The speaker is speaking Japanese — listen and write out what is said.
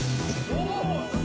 ・・お！